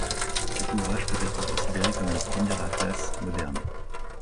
Cet ouvrage peut être considéré comme le premier atlas moderne.